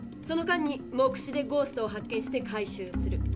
その間に目視でゴーストを発見して回収する。